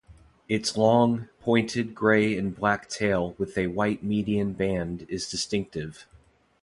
Its long, pointed grey and black tail with a white median band is distinctive.